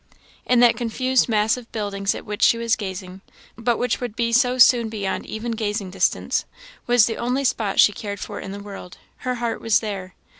In that confused mass of buildings at which she was gazing, but which would be so soon beyond even gazing distance, was the only spot she cared for in the world; her heart was there.